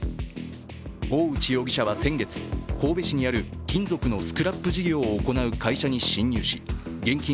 大内容疑者は先月神戸市にある金属のスクラップ事業を行う会社に侵入し現金